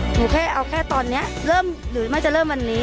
หนูแค่เอาแค่ตอนนี้เริ่มหรือไม่จะเริ่มวันนี้